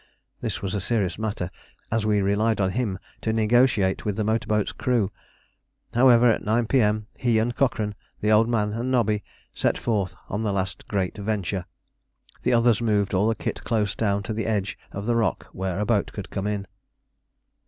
This was a serious matter, as we relied on him to negotiate with the motor boat's crew. However, at 9 P.M., he and Cochrane, the Old Man and Nobby, set forth on the last great venture. The others moved all the kit close down to the edge of the rock where a boat could come in.